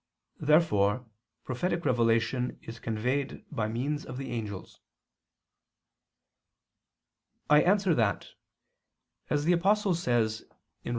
Therefore prophetic revelation is conveyed by means of the angels. I answer that, As the Apostle says (Rom.